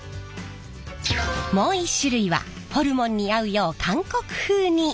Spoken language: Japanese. もう一種類はホルモンに合うよう韓国風に。